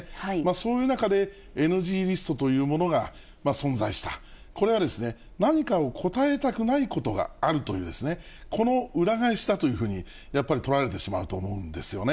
そういう中で、ＮＧリストというものが存在した、これは何かを答えたくないことがあるという、この裏返しだというふうに、やっぱり取られてしまうと思うんですよね。